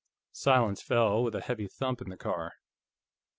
Silence fell with a heavy thump in the car.